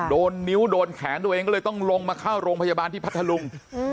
โดนนิ้วโดนแขนตัวเองก็เลยต้องลงมาเข้าโรงพยาบาลที่พัทธลุง